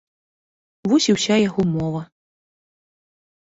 Вось і ўся яго мова.